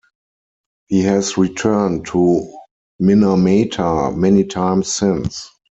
He has returned to Minamata many times since.